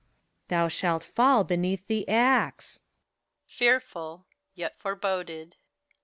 Thou shalt fall beneath the axe. HELENA. Fearful, yet foreboded!